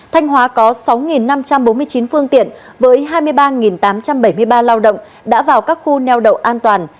thanh hóa có sáu năm trăm bốn mươi chín phương tiện với hai mươi ba tám trăm bảy mươi ba lao động đã vào các khu neo đậu an toàn